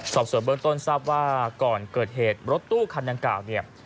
สอบส่วนเบื้องต้นทราบว่าก่อนเกิดเหตุรถตู้คันดังกล่าวเนี่ย